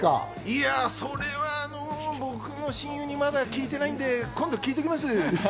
いや、それはもう僕の親友にまだ聞いてないんで今度聞いておきます。